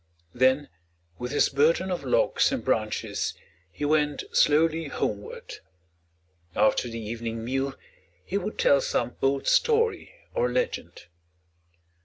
Then, with his burden of logs and branches, he went slowly homeward. After the evening meal, he would tell some old story or legend.